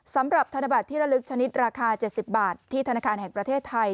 สำหรับธนบัตรที่ระลึกชนิดราคา๗๐บาทที่ธนาคารแห่งประเทศไทย